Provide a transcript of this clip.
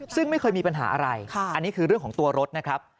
ซึ่งไม่เคยมีปัญหาอะไรอันนี้คือเรื่องของตัวรถนะครับ